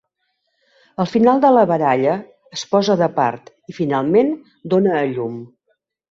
Al final de la baralla, es posa de part i finalment dóna a llum.